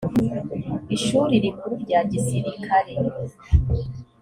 ishuri rikuru rya gisirikare